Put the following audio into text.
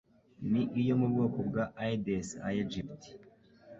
ni iyo mu bwoko bwa Aedes Aegypti